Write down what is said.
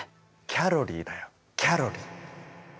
キャロリーだよキャロリー！